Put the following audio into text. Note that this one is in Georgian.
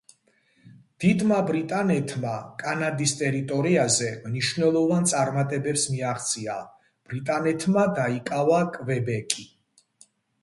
დიდმა ბრიტანეთმა კანადის ტერიტორიაზე მნიშვნელოვან წარმატებებს მიაღწია, ბრიტანეთმა დაიკავა კვებეკი.